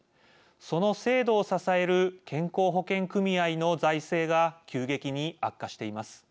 その制度を支える健康保険組合の財政が急激に悪化しています。